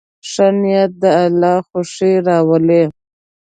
ښه نیت د الله خوښي راولي.